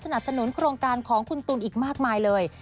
สนุนโครงการของคุณตูนอีกมากมายเลย